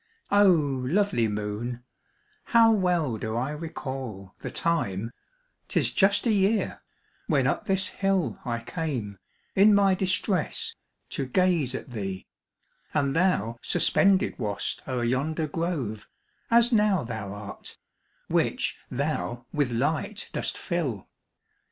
O lovely moon, how well do I recall The time,—'tis just a year—when up this hill I came, in my distress, to gaze at thee: And thou suspended wast o'er yonder grove, As now thou art, which thou with light dost fill.